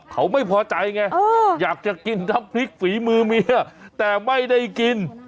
เขาไม่พอใจไงอยากจะกินน้ำพริกฝีมือเมียแต่ไม่ได้กิน